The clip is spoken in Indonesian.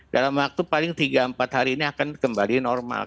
dalam waktu paling tiga empat hari ini akan kembali normal